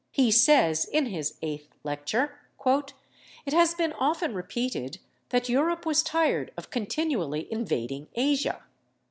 He says, in his eighth lecture, "It has been often repeated that Europe was tired of continually invading Asia.